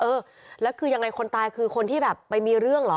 เออแล้วคือยังไงคนตายคือคนที่แบบไปมีเรื่องเหรอ